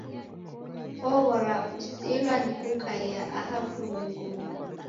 Oghora usilwa nikukaiya aha w'urumwengunyi.